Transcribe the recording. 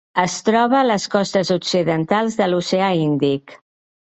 Es troba a les costes occidentals de l'Oceà Índic: